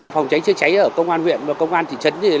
phòng cháy chữa cháy ở công an huyện và công an thị trấn